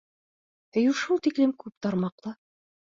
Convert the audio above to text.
Һөйөү шул тиклем күп тармаҡлы.